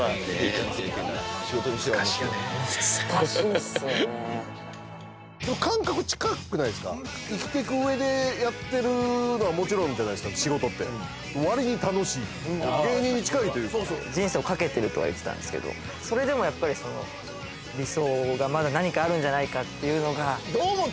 でも感覚近くないですか生きていく上でやってるのはもちろんじゃないですか仕事ってわりに楽しい芸人に近いというか人生を懸けてるとは言ってたんですけどそれでもやっぱり理想がまだ何かあるんじゃないかっていうのがどう思った？